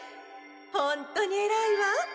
ほんとにえらいわ！